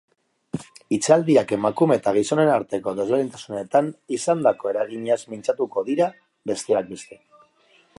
Itxialdiak emakume eta gizonen arteko desberdintasunetan izandako eraginaz mintzatuko dira, besteak beste.